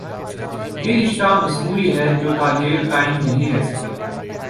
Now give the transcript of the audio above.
یہ رشتہ مصنوعی ہے جو تا دیر قائم نہیں رہ سکے گا۔